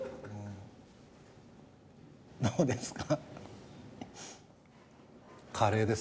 どうですか？